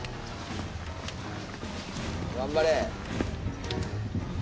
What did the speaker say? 頑張れ！